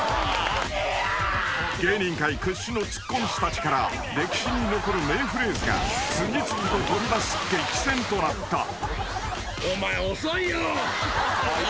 ［芸人界屈指のツッコみ師たちから歴史に残る名フレーズが次々と飛び出す激戦となった］